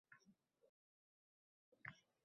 balki minglab boshqa shu kabi